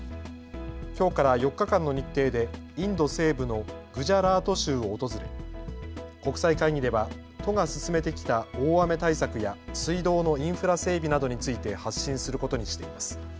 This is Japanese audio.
きょうから４日間の日程でインド西部のグジャラート州を訪れ国際会議では都が進めてきた大雨対策や水道のインフラ整備などについて発信することにしています。